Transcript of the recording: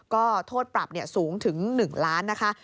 ก็โทษปรับสูงถึง๑ล้านนะคะ